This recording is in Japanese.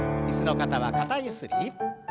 椅子の方は肩ゆすり。